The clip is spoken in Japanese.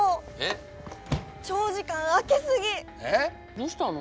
どうしたの？